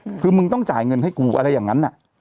คือมึงต้องจ่ายเงินให้กูอะไรอย่างนั้นอ่ะ